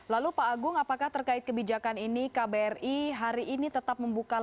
lalu pak agung apakah terkait kebijakan ini kbri hari ini tetap membuka